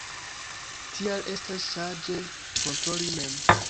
Tial estas saĝe kontroli mem.